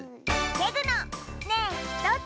レグの「ねえどっち？」。